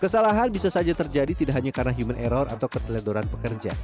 kesalahan bisa saja terjadi tidak hanya karena human error atau keteledoran pekerja